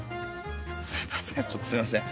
すみませんちょっとすみません